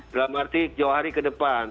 dalam arti jauh hari ke depan